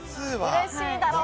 うれしいだろうな。